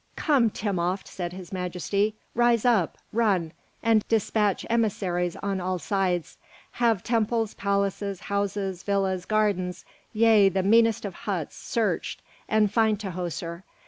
"Come, Timopht!" said His Majesty, "rise up, run, and despatch emissaries on all sides; have temples, palaces, houses, villas, gardens, yea, the meanest of huts searched, and find Tahoser.